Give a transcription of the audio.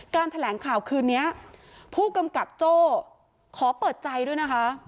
แถลงข่าวคืนนี้ผู้กำกับโจ้ขอเปิดใจด้วยนะคะ